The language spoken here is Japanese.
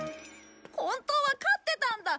本当は勝ってたんだ！